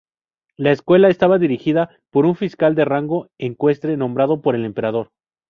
La escuela estaba dirigida por un fiscal de rango ecuestre nombrado por el emperador.